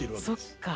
そっか。